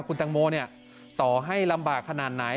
คุณตังโมต่อให้ลำบากขนาดไหน